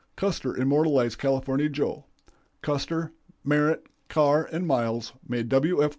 Custer immortalized California Joe. Custer, Merritt, Carr, and Miles made William F.